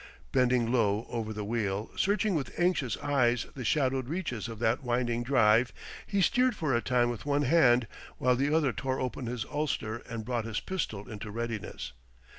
Bending low over the wheel, searching with anxious eyes the shadowed reaches of that winding drive, he steered for a time with one hand, while the other tore open his ulster and brought his pistol into readiness.